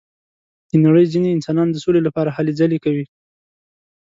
د نړۍ ځینې انسانان د سولې لپاره هلې ځلې کوي.